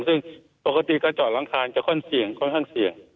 ซึ่งปกติก็จอดหลังคาจะค่อนเสี่ยงค่อนข้างเสี่ยง